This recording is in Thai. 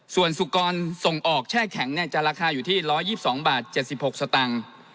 ส่วนสุกรส่งออกแช่แข็งจะราคาอยู่ที่๑๒๒บาท๗๖สตังค์